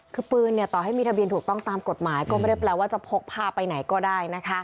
คือปืนต่อให้มีทะเบียนถูกต้องตามกฎหมายก็ไม่ได้แปลว่าจะพกพาไปไหนก็ได้นะคะ